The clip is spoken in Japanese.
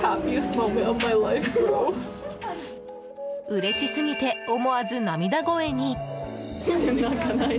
うれしすぎて思わず涙声に。